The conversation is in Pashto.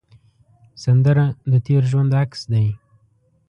سندره د تېر ژوند عکس دی